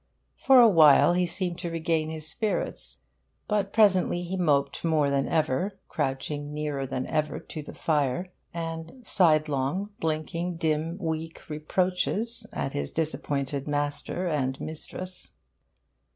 For a while he seemed to regain his spirits. But presently he moped more than ever, crouching nearer than ever to the fire, and, sidelong, blinking dim weak reproaches at his disappointed master and mistress.